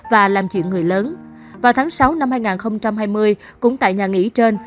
và làm chuyện người lớn vào tháng sáu năm hai nghìn hai mươi cũng tại nhà nghỉ trên